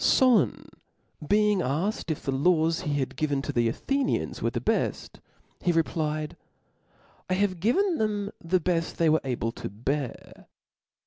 Solon being afked if the laws he had gtven tQ the Athenians^ were the befl:^ he replied, ^^ 1 '* have given theni the bed they were able to ^' bear.